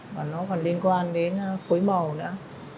và nó còn liên quan đến phối màu nữa